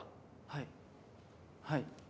はいはい。